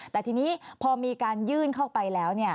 แต่ทีนี้พอมีการยื่นเข้าไปแล้ว